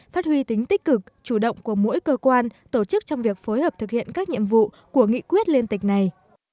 phát huy tính tích cực chủ động của mỗi cơ quan tổ chức trong việc phối hợp thực hiện các nhiệm vụ của nghị quyết liên tịch này